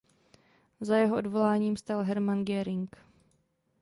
Za jeho odvoláním stál Hermann Göring.